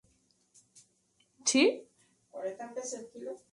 Actualmente es empleado de caja de ahorros.